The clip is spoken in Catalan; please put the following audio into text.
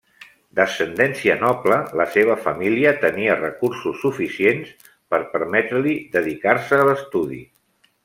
D'ascendència noble, la seva família tenia recursos suficients per permetre-li dedicar-se a l'estudi.